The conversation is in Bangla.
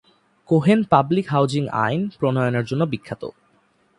কোহেন "পাবলিক হাউজিং আইন" প্রণয়নের জন্যে বিখ্যাত।